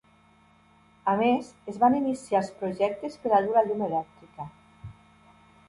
A més, es van iniciar els projectes per a dur la llum elèctrica.